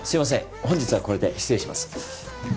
本日はこれで失礼します